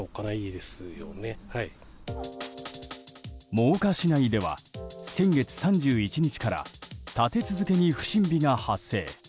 真岡市内では、先月３１日から立て続けに不審火が発生。